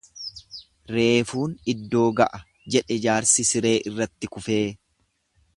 Reefuun iddoo ga'a jedhe jaarsi siree irratti kufee.